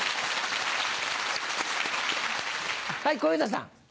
はい小遊三さん。